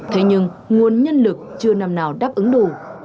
thế nhưng nguồn nhân lực chưa năm nào đáp ứng đủ